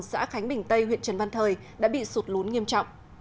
xã khánh bình tây huyện trần văn thời đã bị sụt lún nghiêm trọng